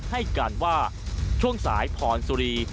ให้การว่าช่วงสายพรสุรี